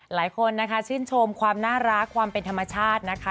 หลายคนนะคะชื่นชมความน่ารักความเป็นธรรมชาตินะคะ